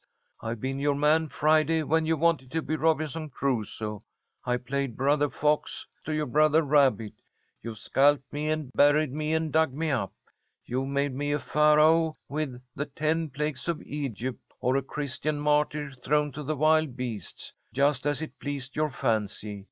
I've been your man Friday when you wanted to be Robinson Crusoe, and played B'r Fox to your B'r Rabbit. You've scalped me and buried me and dug me up. You've made me be Pharaoh with the ten plagues of Egypt, or a Christian martyr thrown to the wild beasts, just as it pleased your fancy.